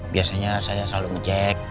biasanya saya selalu ngecek